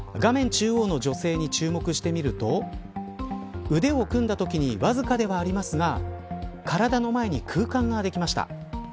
中央の女性に注目してみると腕を組んだときにわずかではありますが体の前に空間ができました。